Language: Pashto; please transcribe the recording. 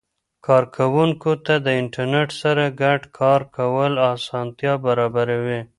کاروونکو ته د انټرنیټ سره ګډ کار کول اسانتیا برابر وي.